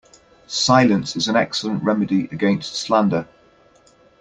Silence is an excellent remedy against slander.